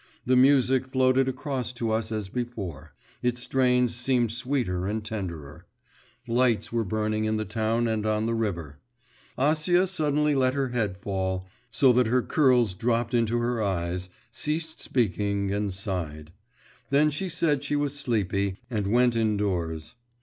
The music floated across to us as before, its strains seemed sweeter and tenderer; lights were burning in the town and on the river. Acia suddenly let her head fall, so that her curls dropped into her eyes, ceased speaking, and sighed. Then she said she was sleepy, and went indoors.